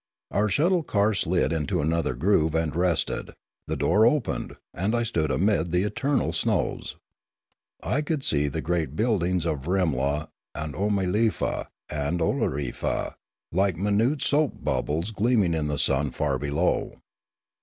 Our shuttle car slid into another groove and rested; the door opened, and I stood amid the eternal snows. I could see the great buildings of Rimla and Oomalefa and Oolorefa like minute soap bubbles gleaming in the sun far below.